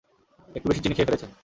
একটু বেশি চিনি খেয়ে ফেলেছে।